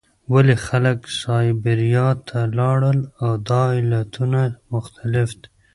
ولې خلک سابیریا ته لاړل؟ دا علتونه مختلف دي.